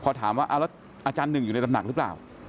ว่าอาจารย์หนึ่งอยู่ในตำหนักรึเปล่า